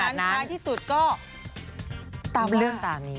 ถ้าอย่ากลายที่สุดก็ตามว่า